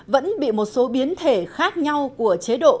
vẫn bị một số biến thể khác nhau của chế độ người bản thân